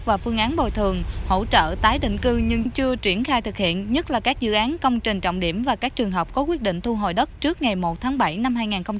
và phương án bồi thường hỗ trợ tái định cư nhưng chưa triển khai thực hiện nhất là các dự án công trình trọng điểm và các trường hợp có quyết định thu hồi đất trước ngày một tháng bảy năm hai nghìn hai mươi